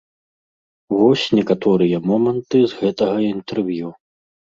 Вось некаторыя моманты з гэтага інтэрв'ю.